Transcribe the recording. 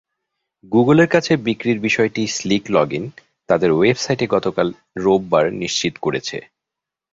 গুগলের কাছে বিক্রির বিষয়টি স্লিকলগইন তাদের ওয়েবসাইটে গতকাল রোববার নিশ্চিত করেছে।